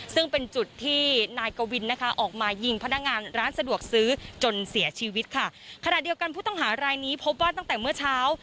ซึ่งเป็นจุดที่นายกวินนะคะออกมายิงพนักงานร้านสะดวกซื้อจนเสียชีวิตค่ะขณะเดียวกันผู้ต้องหารายนี้พบว่าตั้งแต่เมื่อเช้า